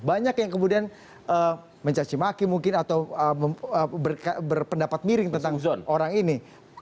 banyak yang kemudian mencacimaki mungkin atau berpendapat miring tentang orang ini